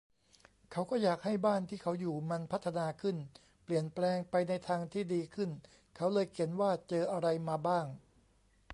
เขาก็อยากให้บ้านที่เขาอยู่มันพัฒนาขึ้น เปลี่ยนแปลงไปในทางที่ดึขึ้นเขาเลยเขียนว่าเจออะไรมาบ้าง